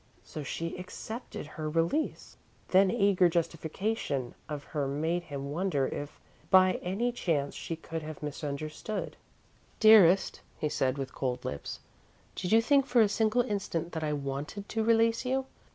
So, she accepted her release! Then eager justification of her made him wonder if by any chance she could have misunderstood. "Dearest," he said, with cold lips, "did you think for a single instant that I wanted to release you?